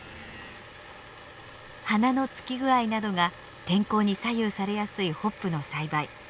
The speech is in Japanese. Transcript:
花のつき具合などが天候に左右されやすいホップの栽培。